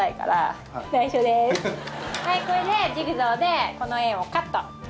はいこれでジグソーでこの円をカット。